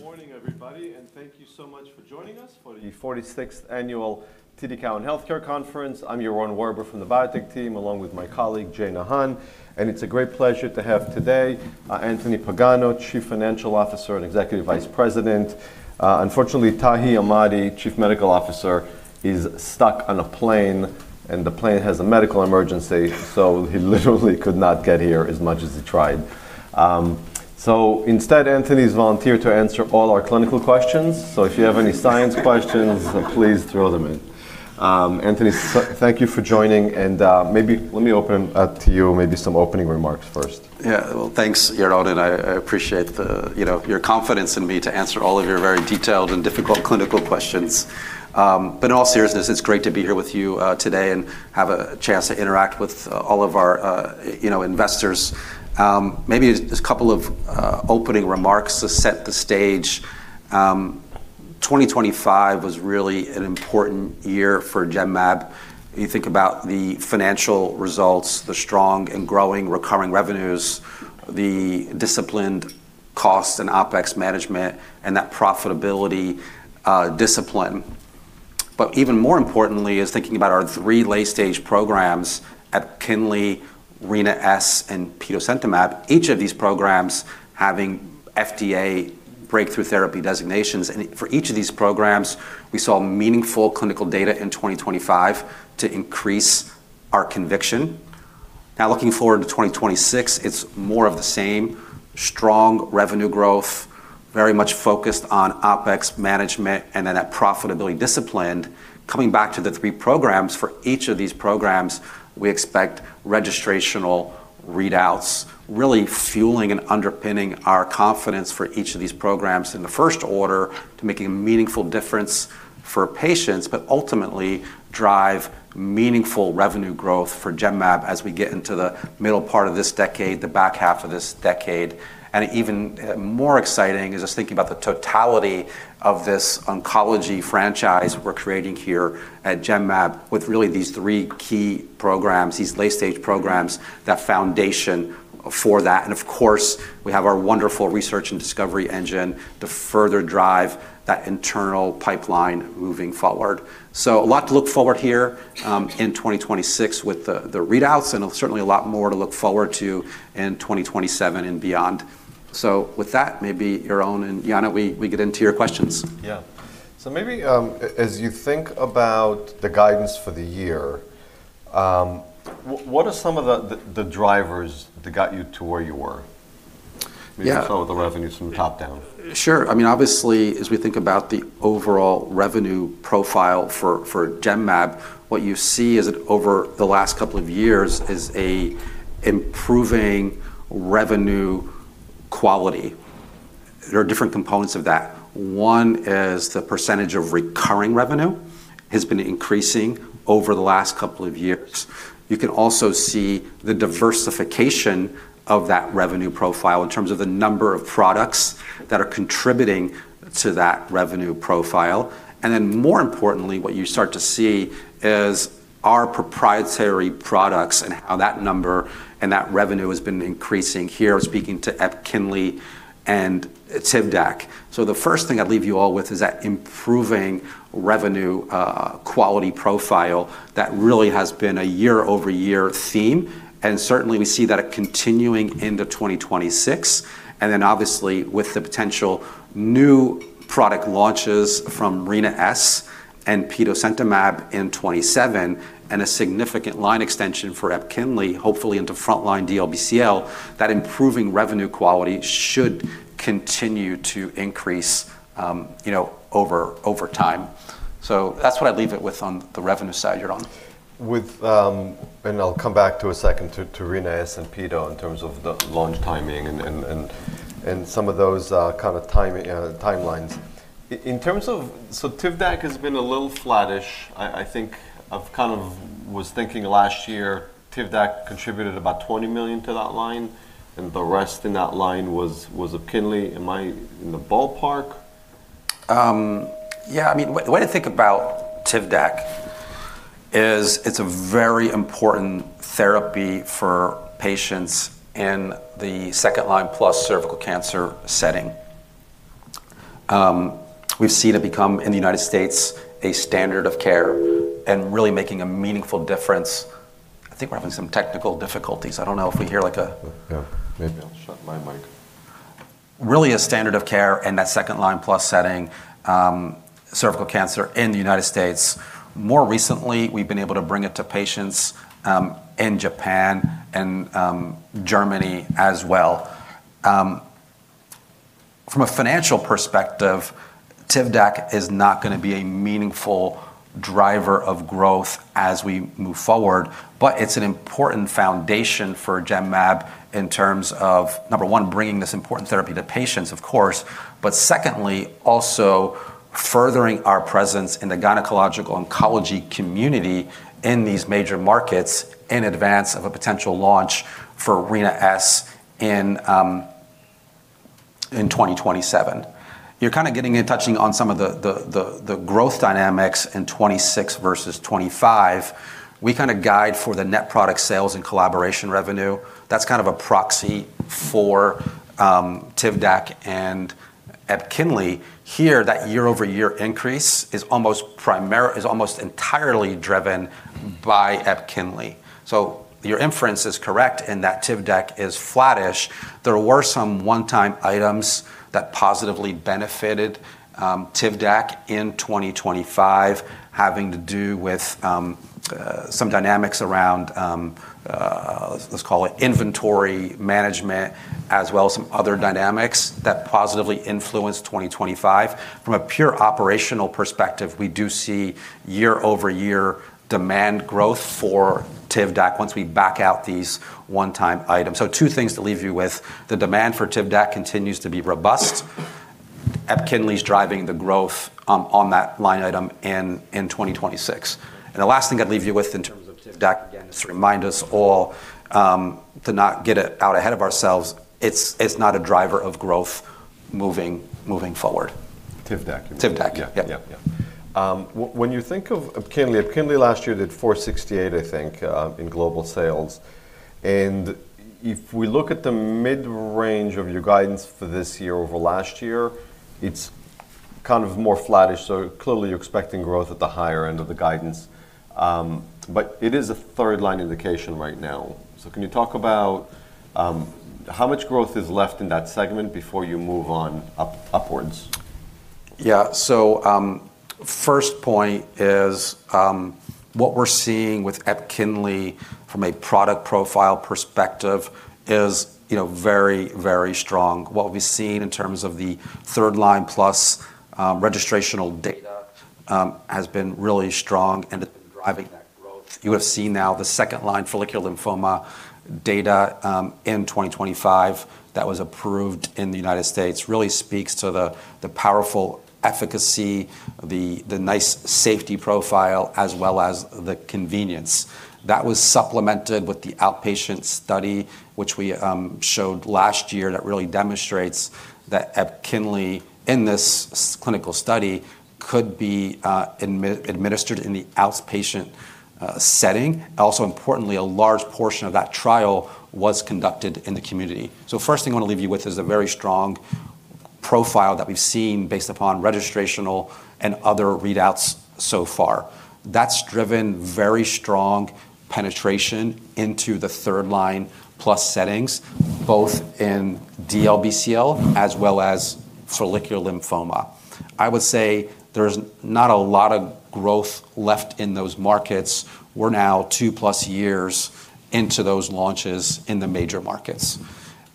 Good morning, everybody, thank you so much for joining us for the 46th Annual TD Cowen Healthcare Conference. I'm Yaron Werber from the Biotech team, along with my colleague, Jana Nahon. It's a great pleasure to have today, Anthony Pagano, Chief Financial Officer and Executive Vice President. Unfortunately, Tahi Ahmadi, Chief Medical Officer, is stuck on a plane, the plane has a medical emergency, he literally could not get here as much as he tried. Instead, Anthony's volunteered to answer all our clinical questions. If you have any science questions, please throw them in. Anthony, thank you for joining, maybe let me open up to you with maybe some opening remarks first. Well, thanks, Yaron, I appreciate the, you know, your confidence in me to answer all of your very detailed and difficult clinical questions. In all seriousness, it's great to be here with you today and have a chance to interact with all of our, you know, investors. Maybe just a couple of opening remarks to set the stage. 2025 was really an important year for Genmab. You think about the financial results, the strong and growing recurring revenues, the disciplined costs and OpEx management, and that profitability discipline. Even more importantly is thinking about our three late-stage programs, EPKINLY, Rina-S, and Petosemtamab, each of these programs having FDA Breakthrough Therapy designations. For each of these programs, we saw meaningful clinical data in 2025 to increase our conviction. Now, looking forward to 2026, it's more of the same strong revenue growth, very much focused on OpEx management and then that profitability discipline. Coming back to the three programs, for each of these programs, we expect registrational readouts really fueling and underpinning our confidence for each of these programs in the first order to making a meaningful difference for patients, but ultimately drive meaningful revenue growth for Genmab as we get into the middle part of this decade, the back half of this decade. Even more exciting is just thinking about the totality of this oncology franchise we're creating here at Genmab with really these three key programs, these late-stage programs, that foundation for that. Of course, we have our wonderful research and discovery engine to further drive that internal pipeline moving forward. A lot to look forward here, in 2026 with the readouts, and certainly a lot more to look forward to in 2027 and beyond. With that, maybe Yaron and Jana, we get into your questions. Yeah. Maybe, as you think about the guidance for the year, what are some of the drivers that got you to where you were? Yeah. Maybe we follow the revenues from top-down. Sure. I mean, obviously, as we think about the overall revenue profile for Genmab, what you see is that over the last couple of years is a improving revenue quality. There are different components of that. One is the percentage of recurring revenue has been increasing over the last couple of years. You can also see the diversification of that revenue profile in terms of the number of products that are contributing to that revenue profile. More importantly, what you start to see is our proprietary products and how that number and that revenue has been increasing here, speaking to EPKINLY and TIVDAK. The first thing I'd leave you all with is that improving revenue quality profile that really has been a year-over-year theme, and certainly we see that continuing into 2026. Obviously, with the potential new product launches from Rina-S and Petosemtamab in 2027 and a significant line extension for EPKINLY, hopefully into frontline DLBCL, that improving revenue quality should continue to increase, you know, over time. That's what I'd leave it with on the revenue side, Yaron. With, I'll come back to a second to Rina-S and Pido in terms of the launch timing and some of those timelines. In terms of. TIVDAK has been a little flattish. I think I've kind of was thinking last year, TIVDAK contributed about 20 million to that line, and the rest in that line was EPKINLY. Am I in the ballpark? Yeah, I mean, the way to think about TIVDAK is it's a very important therapy for patients in the second-line plus cervical cancer setting. We've seen it become, in the United States, a standard of care and really making a meaningful difference. I think we're having some technical difficulties. I don't know if we hear. Yeah. Maybe I'll shut my mic. Really a standard of care in that second-line plus setting, cervical cancer in the United States. More recently, we've been able to bring it to patients in Japan and Germany as well. From a financial perspective, TIVDAK is not gonna be a meaningful driver of growth as we move forward, but it's an important foundation for Genmab in terms of, number one, bringing this important therapy to patients, of course, but secondly, also furthering our presence in the gynecologic oncology community in these major markets in advance of a potential launch for Rina-S in 2027. You're kinda getting and touching on some of the growth dynamics in 2026 versus 2025. We kinda guide for the net product sales and collaboration revenue. That's kind of a proxy for TIVDAK and EPKINLY. Here, that year-over-year increase is almost entirely driven by EPKINLY. Your inference is correct in that TIVDAK is flattish. There were some one-time items that positively benefited TIVDAK in 2025 having to do with some dynamics around let's call it inventory management, as well as some other dynamics that positively influenced 2025. From a pure operational perspective, we do see year-over-year demand growth for TIVDAK once we back out these one-time items. Two things to leave you with. The demand for TIVDAK continues to be robust. EPKINLY is driving the growth on that line item in 2026. The last thing I'd leave you with in terms of TIVDAK, again, is to remind us all to not get it out ahead of ourselves. It's not a driver of growth moving forward. TIVDAK. TIVDAK. Yeah. Yeah. Yeah, yeah. When you think of EPKINLY last year did 468, I think, in global sales. If we look at the mid-range of your guidance for this year over last year, it's kind of more flattish, so clearly you're expecting growth at the higher end of the guidance. It is a third-line indication right now. Can you talk about how much growth is left in that segment before you move on upwards? First point is, what we're seeing with EPKINLY from a product profile perspective is, you know, very, very strong. What we've seen in terms of the third line plus, registrational data, has been really strong and driving that growth. You have seen now the second line follicular lymphoma data, in 2025 that was approved in the United States really speaks to the powerful efficacy, the nice safety profile, as well as the convenience. That was supplemented with the outpatient study, which we, showed last year that really demonstrates that EPKINLY in this clinical study could be administered in the outpatient setting. Also, importantly, a large portion of that trial was conducted in the community. First thing I wanna leave you with is a very strong profile that we've seen based upon registrational and other readouts so far. That's driven very strong penetration into the third line plus settings, both in DLBCL as well as follicular lymphoma. I would say there's not a lot of growth left in those markets. We're now two plus years into those launches in the major markets.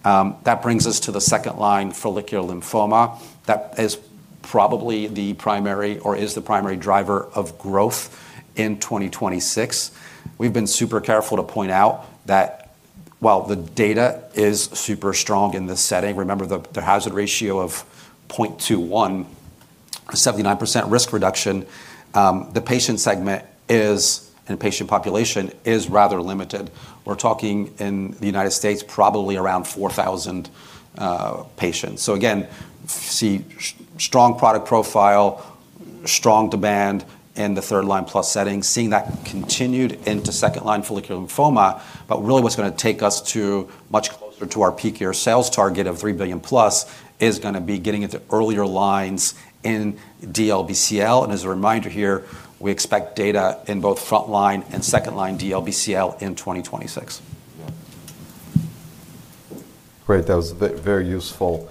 That brings us to the second line, follicular lymphoma. That is probably the primary or is the primary driver of growth in 2026. We've been super careful to point out that while the data is super strong in this setting, remember the hazard ratio of 0.21, 79% risk reduction, the patient segment is, and patient population is rather limited. We're talking in the United States probably around 4,000 patients. Again, see strong product profile, strong demand in the third line plus setting, seeing that continued into second line follicular lymphoma. Really what's gonna take us to much closer to our peak year sales target of 3 billion+ is gonna be getting into earlier lines in DLBCL. As a reminder here, we expect data in both front line and second line DLBCL in 2026. Yeah. Great. That was very useful.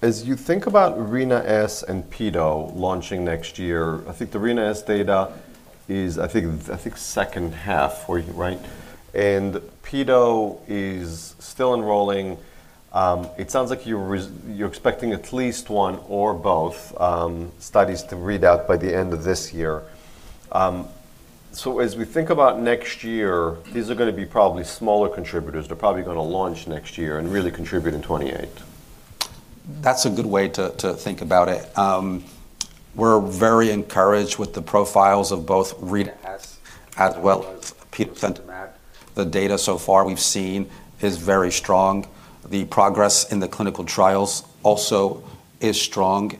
As you think about Rina-S and Pido launching next year, I think the Rina-S data is I think second half for you, right? Pido is still enrolling. It sounds like you're expecting at least one or both studies to read out by the end of this year. As we think about next year, these are gonna be probably smaller contributors. They're probably gonna launch next year and really contribute in 2028. That's a good way to think about it. We're very encouraged with the profiles of both Rina-S as well as Petosemtamab. The data so far we've seen is very strong. The progress in the clinical trials also is strong.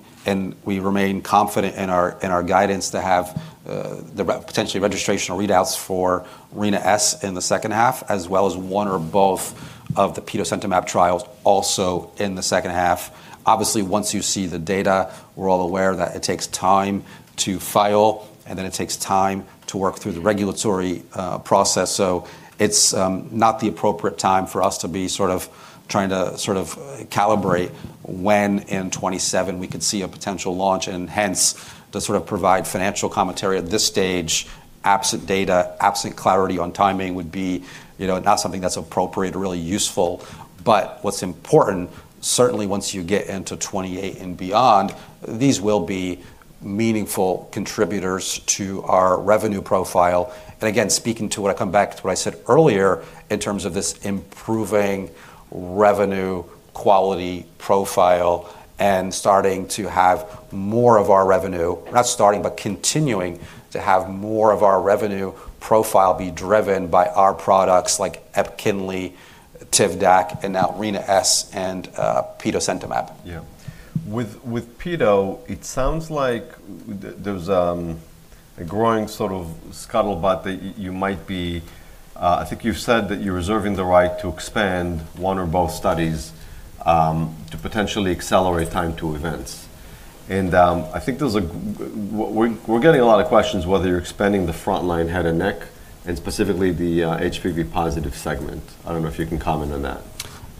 We remain confident in our guidance to have potentially registrational readouts for Rina-S in the second half, as well as one or both of the Petosemtamab trials also in the second half. Obviously, once you see the data, we're all aware that it takes time to file, then it takes time to work through the regulatory process. It's not the appropriate time for us to be sort of trying to sort of calibrate when in 2027 we could see a potential launch, and hence to sort of provide financial commentary at this stage, absent data, absent clarity on timing would be, you know, not something that's appropriate or really useful. What's important, certainly once you get into 2028 and beyond, these will be meaningful contributors to our revenue profile. Again, speaking to what I come back to what I said earlier in terms of this improving revenue quality profile and starting to have more of our revenue, not starting, but continuing to have more of our revenue profile be driven by our products like EPKINLY, TIVDAK, and now Rina-S and Petosemtamab. Yeah. With Peto, it sounds like there's a growing sort of scuttlebutt that you might be, I think you've said that you're reserving the right to expand one or both studies, to potentially accelerate time to events. We're getting a lot of questions whether you're expanding the frontline head and neck and specifically the HPV-positive segment. I don't know if you can comment on that.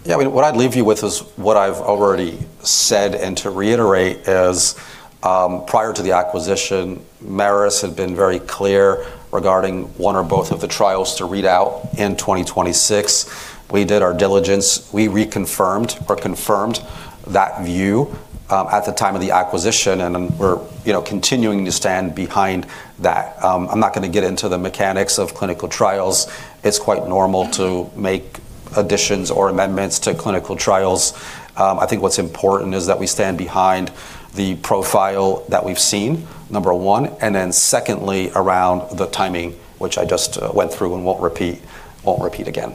Yeah. I mean, what I'd leave you with is what I've already said, and to reiterate, is, prior to the acquisition, Merus had been very clear regarding one or both of the trials to read out in 2026. We did our diligence. We reconfirmed or confirmed that view, at the time of the acquisition, and we're, you know, continuing to stand behind that. I'm not gonna get into the mechanics of clinical trials. It's quite normal to make additions or amendments to clinical trials. I think what's important is that we stand behind the profile that we've seen, number one, and then secondly, around the timing, which I just went through and won't repeat again.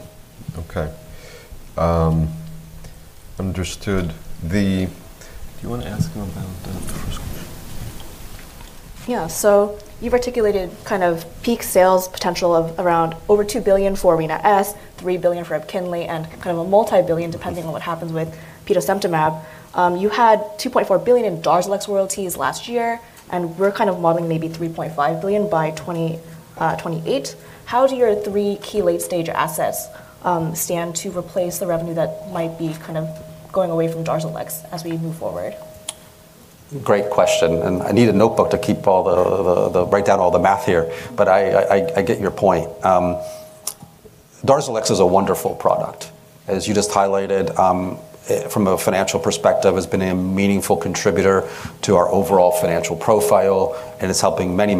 Okay. Understood. Do you wanna ask him about the first question? You've articulated kind of peak sales potential of around over 2 billion for Rina-S, 3 billion for EPKINLY, and kind of a multi-billion, depending on what happens withPetosemtamab. You had 2.4 billion in DARZALEX royalties last year, and we're kind of modeling maybe 3.5 billion by 2028. How do your three key late-stage assets stand to replace the revenue that might be kind of going away from DARZALEX as we move forward? Great question. I need a notebook to write down all the math here, but I get your point. DARZALEX is a wonderful product. As you just highlighted, from a financial perspective, it's been a meaningful contributor to our overall financial profile, and it's helping many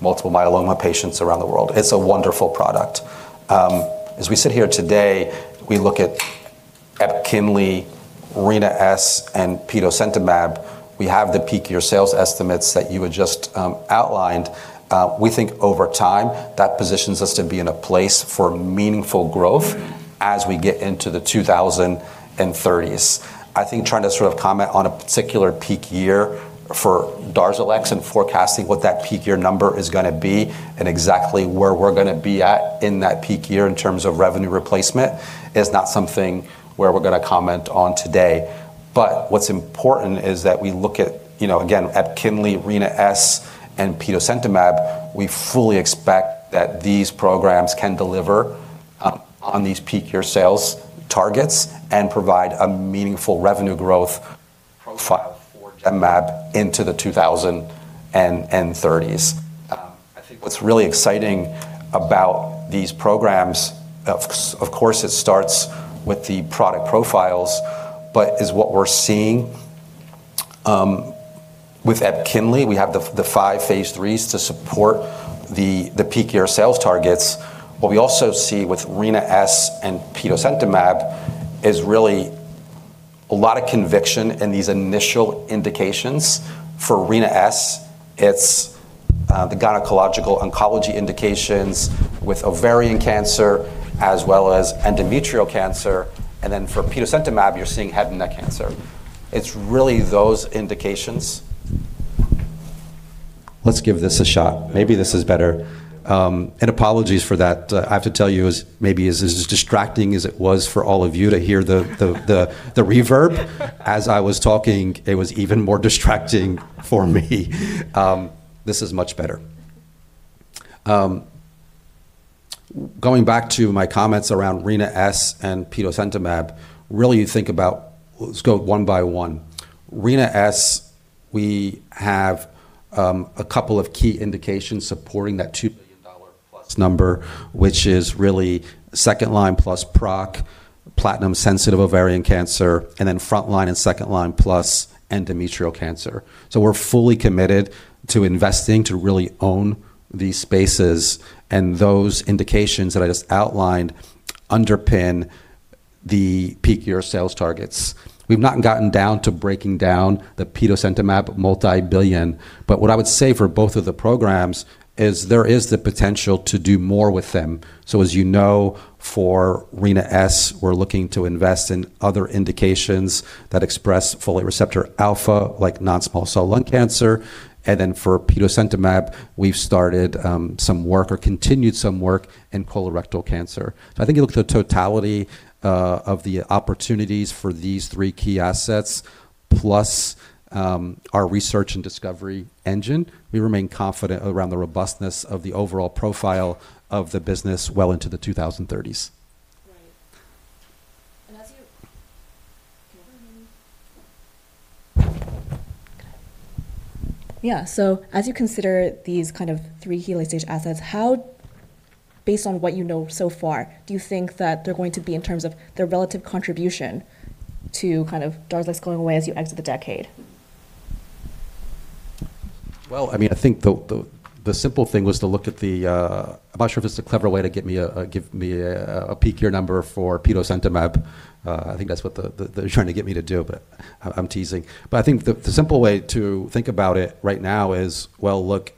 multiple myeloma patients around the world. It's a wonderful product. As we sit here today, we look at EPKINLY, Rina-S, and Petosemtamab. We have the peak year sales estimates that you had just outlined. We think over time, that positions us to be in a place for meaningful growth as we get into the 2030s. I think trying to sort of comment on a particular peak year for DARZALEX and forecasting what that peak year number is gonna be and exactly where we're gonna be at in that peak year in terms of revenue replacement is not something where we're gonna comment on today. What's important is that we look at, you know, again, EPKINLY, Rina-S, and Petosemtamab. We fully expect that these programs can deliver on these peak year sales targets and provide a meaningful revenue growth profile for Genmab into the 2030s. I think what's really exciting about these programs, of course, it starts with the product profiles, but is what we're seeing with EPKINLY. We have the 5 phase IIIs to support the peak year sales targets. What we also see with Rina-S and Petosemtamab is really a lot of conviction in these initial indications. For Rina-S, it's the gynecologic oncology indications with ovarian cancer as well as endometrial cancer. For Petosemtamab, you're seeing head and neck cancer. It's really those indications. Let's give this a shot. Maybe this is better. Apologies for that. I have to tell you maybe as distracting as it was for all of you to hear the reverb. As I was talking, it was even more distracting for me. This is much better. Going back to my comments around Rina-S and Petosemtamab, really let's go one by one. Rina-S, we have a couple of key indications supporting that DKK 2 billion-plus number, which is really second line plus platinum-sensitive ovarian cancer, and then frontline and second line plus endometrial cancer. We're fully committed to investing to really own these spaces, and those indications that I just outlined underpin the peak year sales targets. We've not gotten down to breaking down the Petosemtimab multi-billion, but what I would say for both of the programs is there is the potential to do more with them. As you know, for Rina-S, we're looking to invest in other indications that express folate receptor alpha, like non-small cell lung cancer. For Petosemtimab, we've started some work or continued some work in colorectal cancer. I think you look at the totality of the opportunities for these three key assets plus our research and discovery engine, we remain confident around the robustness of the overall profile of the business well into the 2030s. Right. Can you hear me? Okay. Yeah. As you consider these kind of three key late-stage assets, how, based on what you know so far, do you think that they're going to be in terms of their relative contribution to kind of DARZALEX going away as you exit the decade? Well, I mean, I think the simple thing was to look at the. I'm not sure if it's a clever way to get me a, give me a peak year number for Petosemtamab. I think that's what they're trying to get me to do, but I'm teasing. I think the simple way to think about it right now is, well, look,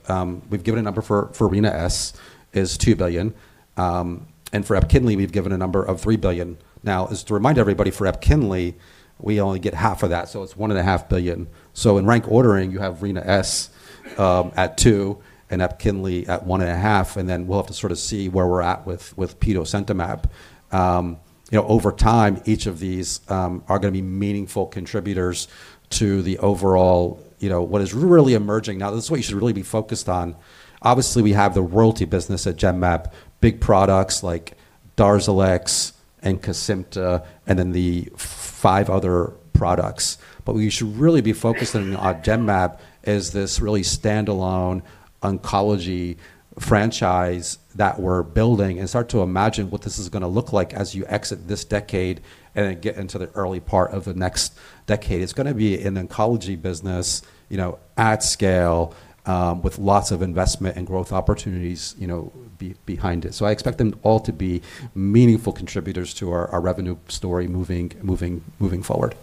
we've given a number for Rina-S is 2 billion, and for EPKINLY, we've given a number of 3 billion. To remind everybody for EPKINLY, we only get half of that, so it's one and a half billion. In rank ordering, you have Rina-S at 2 billion and EPKINLY at one and a half billion, and then we'll have to sort of see where we're at with Petosemtamab. You know, over time, each of these are gonna be meaningful contributors to the overall, you know, what is really emerging now. This is what you should really be focused on. Obviously, we have the royalty business at Genmab, big products like DARZALEX and Kesimpta, and then the five other products. What you should really be focusing on Genmab is this really standalone oncology franchise that we're building, and start to imagine what this is gonna look like as you exit this decade and then get into the early part of the next decade. It's gonna be an oncology business, you know, at scale, with lots of investment and growth opportunities, you know, behind it. I expect them all to be meaningful contributors to our revenue story moving forward.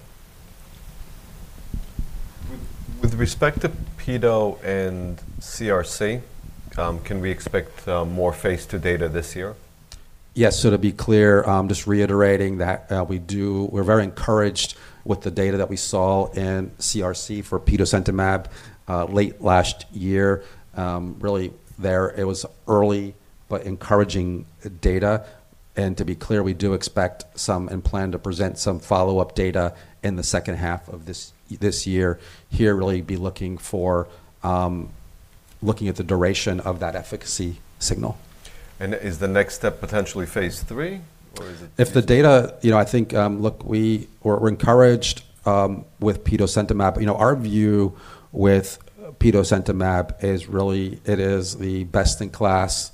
With respect to PIDO and CRC, can we expect more phase II data this year? To be clear, I'm just reiterating that we're very encouraged with the data that we saw in CRC for Petosemtamab late last year. Really there, it was early but encouraging data. To be clear, we do expect some and plan to present some follow-up data in the second half of this year. Here, really be looking for looking at the duration of that efficacy signal. Is the next step potentially phase III, or is it? If the data. You know, I think, look, we're encouraged with Petosemtamab. You know, our view with Petosemtamab is really it is the best-in-class,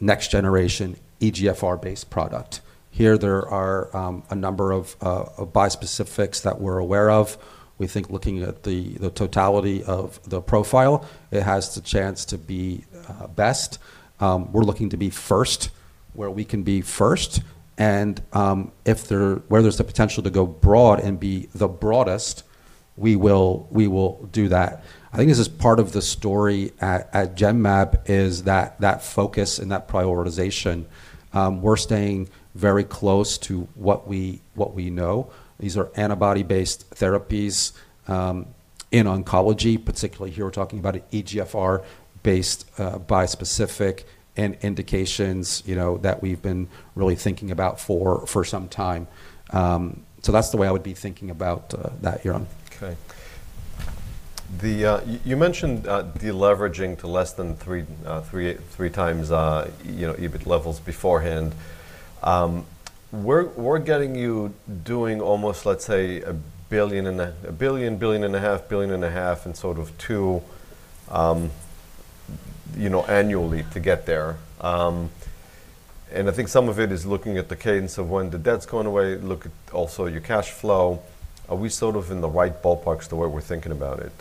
next generation EGFR-based product. Here, there are a number of bispecifics that we're aware of. We think looking at the totality of the profile, it has the chance to be best. We're looking to be first where we can be first. Where there's the potential to go broad and be the broadest, we will do that. I think this is part of the story at Genmab, is that focus and that prioritization. We're staying very close to what we know. These are antibody-based therapies, in oncology, particularly here we're talking about an EGFR-based, bispecific and indications, you know, that we've been really thinking about for some time. That's the way I would be thinking about, that, Yaron. Okay. The, you mentioned, deleveraging to less than 3x, you know, EBIT levels beforehand. We're getting you doing almost, let's say, a billion and a half, and sort of two, you know, annually to get there. I think some of it is looking at the cadence of when the debt's going away. Look at also your cash flow. Are we sort of in the right ballpark as to where we're thinking about it?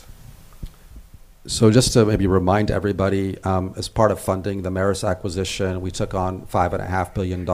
Just to maybe remind everybody, as part of funding the Merus Acquisition, we took on $5.5 billion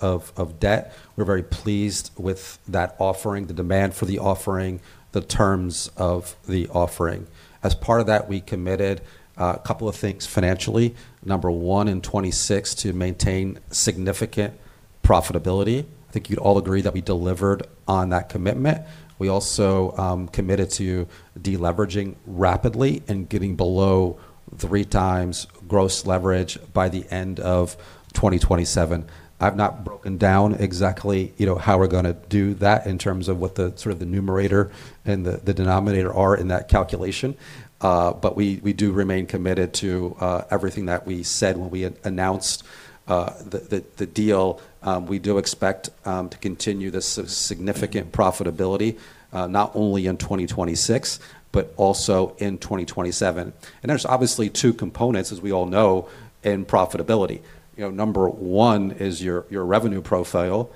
of debt. We're very pleased with that offering, the demand for the offering, the terms of the offering. As part of that, we committed a couple of things financially. Number one, in 2026 to maintain significant profitability. I think you'd all agree that we delivered on that commitment. We also committed to deleveraging rapidly and getting below 3x gross leverage by the end of 2027. I've not broken down exactly, you know, how we're gonna do that in terms of what the sort of the numerator and the denominator are in that calculation, but we do remain committed to everything that we said when we announced the deal. We do expect to continue this significant profitability, not only in 2026, but also in 2027. There's obviously two components, as we all know, in profitability. You know, number one is your revenue profile,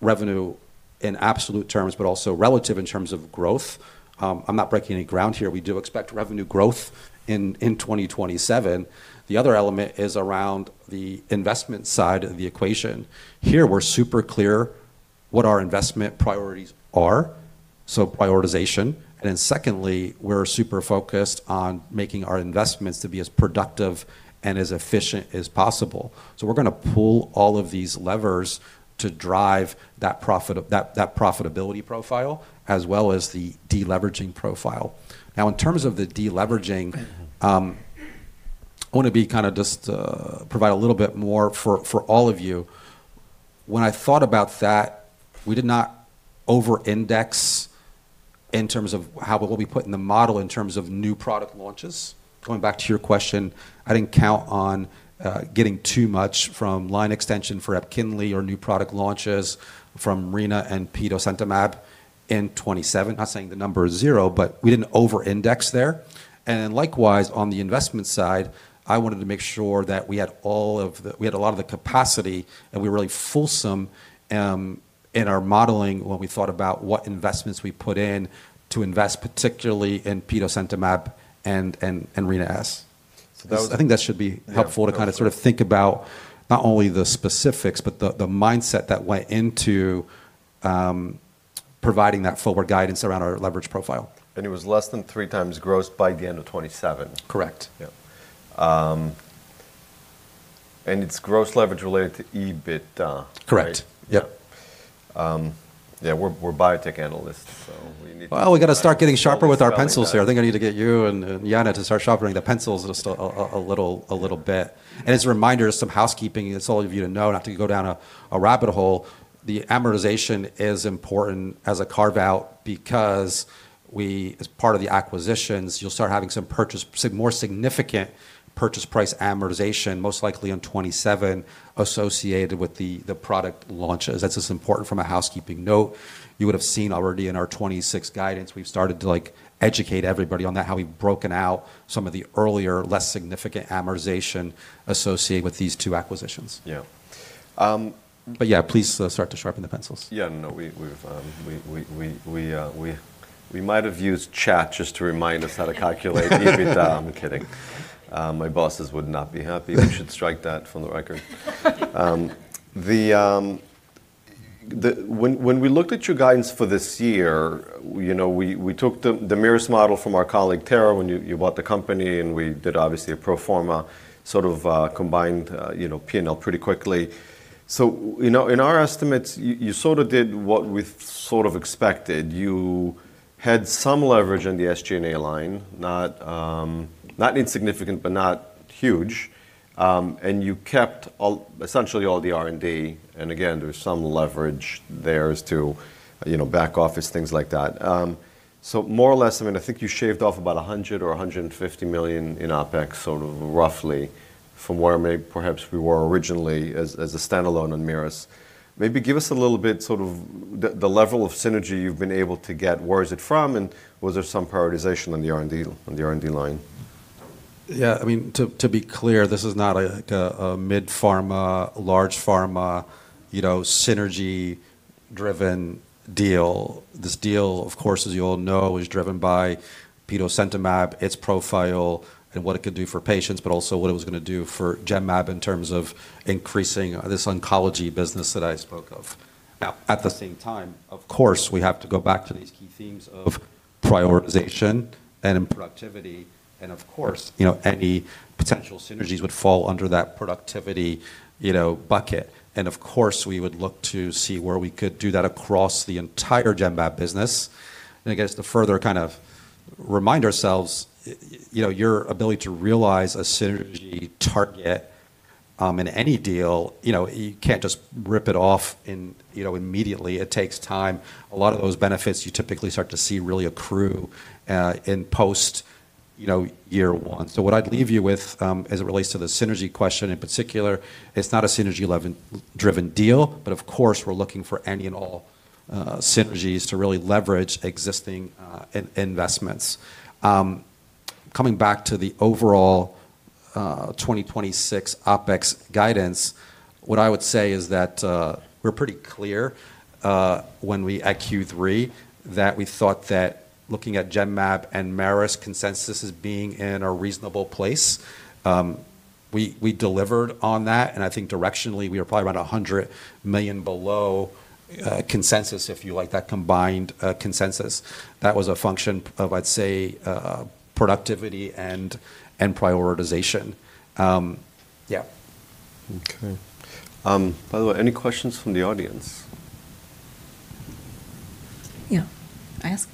revenue in absolute terms, but also relative in terms of growth. I'm not breaking any ground here. We do expect revenue growth in 2027. The other element is around the investment side of the equation. Here, we're super clear what our investment priorities are, so prioritization. Secondly, we're super focused on making our investments to be as productive and as efficient as possible. We're gonna pull all of these levers to drive that profitability profile, as well as the deleveraging profile. Now, in terms of the deleveraging, I wanna be kind of just provide a little bit more for all of you. When I thought about that, we did not over-index in terms of how, what we put in the model in terms of new product launches. Going back to your question, I didn't count on getting too much from line extension for EPKINLY or new product launches from Rina-S and Petosemtamab in 2027. Not saying the number is zero, but we didn't over-index there. Likewise, on the investment side, I wanted to make sure that we had a lot of the capacity, and we were really fulsome. In our modeling, when we thought about what investments we put in to invest particularly in Petosemtamab and Rina-S. So, I think that should be helpful. Yeah. Okay. To kinda sort of think about not only the specifics, but the mindset that went into providing that forward guidance around our leverage profile. It was less than 3x gross by the end of 2027. Correct. Yeah. And it's gross leverage related to EBITDA. Correct. Right? Yep. Yeah, we're biotech analysts. We gotta start getting sharper with our pencils here. I think I need to get you and Jana to start sharpening the pencils just a little bit. As a reminder, some housekeeping, it's all of you to know, not to go down a rabbit hole, the amortization is important as a carve-out because we, as part of the acquisitions, you'll start having some more significant purchase price amortization, most likely on 2027, associated with the product launches. That's just important from a housekeeping note. You would have seen already in our 2026 guidance, we've started to, like, educate everybody on that, how we've broken out some of the earlier less significant amortization associated with these two acquisitions. Yeah. Yeah, please start to sharpen the pencils. Yeah, no, we've, we might have used chat just to remind us how to calculate EBITDA. I'm kidding. My bosses would not be happy. We should strike that from the record. When we looked at your guidance for this year, you know, we took the Merus model from our colleague, Tara, when you bought the company, and we did obviously a pro forma sort of combined, you know, P&L pretty quickly. You know, in our estimates, you sort of did what we sort of expected. You had some leverage in the SG&A line, not insignificant, but not huge. You kept all, essentially all the R&D. Again, there's some leverage there as to, you know, back office, things like that. More or less, I mean, I think you shaved off about 100 million or 150 million in OpEx sort of roughly from where perhaps we were originally as a standalone on Merus. Maybe give us a little bit sort of the level of synergy you've been able to get. Where is it from, was there some prioritization on the R&D line? Yeah. I mean, to be clear, this is not like a mid-pharma, large pharma, you know, synergy-driven deal. This deal, of course, as you all know, is driven by Petosemtamab, its profile and what it could do for patients, but also what it was gonna do for Genmab in terms of increasing this oncology business that I spoke of. Now, at the same time, of course, we have to go back to these key themes of prioritization and productivity, and of course, you know, any potential synergies would fall under that productivity, you know, bucket. Of course, we would look to see where we could do that across the entire Genmab business. I guess to further kind of remind ourselves, you know, your ability to realize a synergy target in any deal, you know, you can't just rip it off in, you know, immediately. It takes time. A lot of those benefits you typically start to see really accrue, in post, you know, year one. What I'd leave you with, as it relates to the synergy question in particular, it's not a synergy driven deal, but of course, we're looking for any and all synergies to really leverage existing investments. Coming back to the overall 2026 OpEx guidance, what I would say is that we're pretty clear when we at Q3 that we thought that looking at Genmab and Merus consensus as being in a reasonable place, we delivered on that, and I think directionally, we are probably around 100 million below consensus, if you like, that combined consensus. That was a function of, I'd say, productivity and prioritization. Yeah. Okay. By the way, any questions from the audience? Yeah. I ask.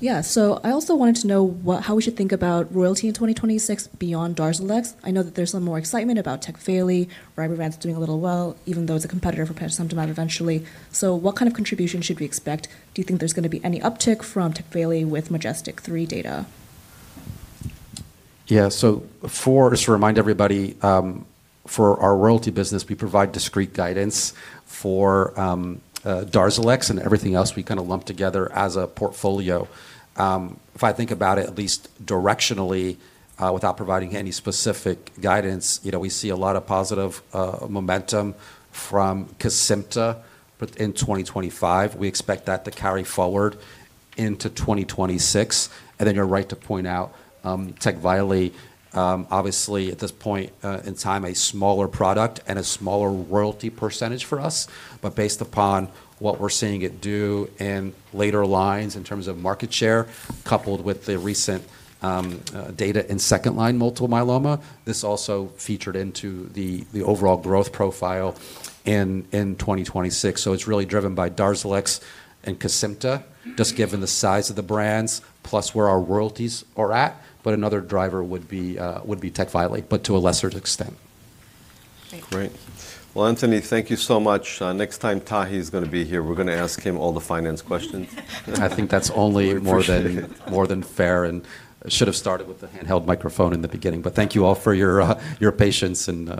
Yeah. I also wanted to know how we should think about royalty in 2026 beyond DARZALEX. I know that there's some more excitement about TECVAYLI. Rivaroxa is doing a little well, even though it's a competitor for Petosemtamab eventually. What kind of contribution should we expect? Do you think there's gonna be any uptick from TECVAYLI a with MajesTEC-3 data? Yeah. Just to remind everybody, for our royalty business, we provide discrete guidance for DARZALEX and everything else we kinda lump together as a portfolio. If I think about it at least directionally, without providing any specific guidance, you know, we see a lot of positive momentum from Kesimpta, in 2025, we expect that to carry forward into 2026. You're right to point out, Tecfidera, obviously at this point in time, a smaller product and a smaller royalty percentage for us. Based upon what we're seeing it do in later lines in terms of market share, coupled with the recent data in second-line multiple myeloma, this also featured into the overall growth profile in 2026. It's really driven by DARZALEX and Kesimpta, just given the size of the brands, plus where our royalties are at. Another driver would be, would be Tecvayli, but to a lesser extent. Thank you. Great. Well, Anthony, thank you so much. Next time Tahi is gonna be here, we're gonna ask him all the finance questions. I think that's only more than. We appreciate it. More than fair, and should've started with the handheld microphone in the beginning. Thank you all for your patience and...